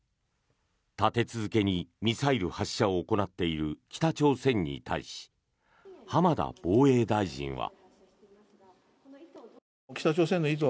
立て続けにミサイル発射を行っている北朝鮮に対し浜田防衛大臣は。